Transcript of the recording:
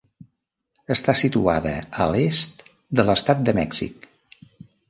Està situada a l'est d'Estat de Mèxic.